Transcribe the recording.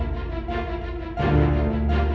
apa dia sanggup